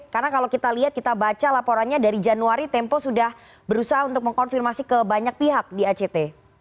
karena kalau kita lihat kita baca laporannya dari januari tempo sudah berusaha untuk mengkonfirmasi ke banyak pihak di act